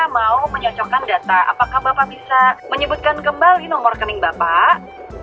mau menyocokkan data apakah bapak bisa menyebutkan kembali nomor rekening bapak